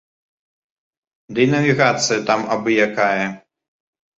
Ды і навігацыя там абы якая.